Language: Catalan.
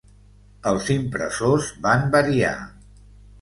Els impressors van variar.